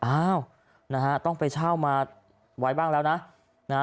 อ้าวต้องไปเช่ามาไว้บ้างแล้วนะ